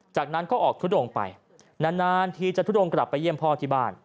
จากนั้นก็ออกทุดงไปนานทีจะทุดงกลับไปเยี่ยมพ่อที่บ้าน